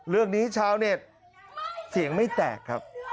เรื่องนี้ชาวเน็ตเสียงไม่แตกครับ